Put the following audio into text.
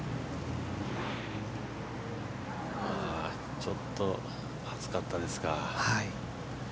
ちょっと厚かったですか。